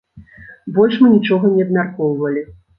Больш мы нічога не абмяркоўвалі.